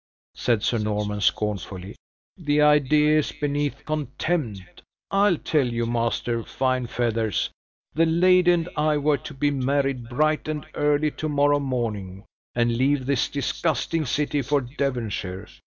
said Sir Norman, scornfully. "The idea is beneath contempt: I tell you, Master Fine feathers, the lady and I were to be married bright and early to morrow morning, and leave this disgusting city for Devonshire.